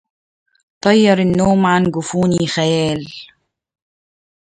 طير النوم عن جفوني خيال